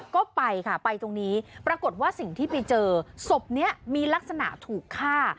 ก็ไปค่ะไปตรงนี้ปรากฏว่าสิ่งที่ไปเจอศพนี้มีลักษณะถูกฆ่า